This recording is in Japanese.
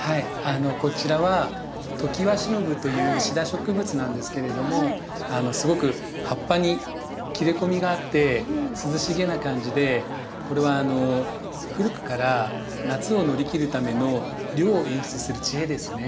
こちらはトキワシノブというシダ植物なんですけれどもすごく葉っぱに切れ込みがあって涼しげな感じでこれは古くから夏を乗り切るための涼を演出する知恵ですね。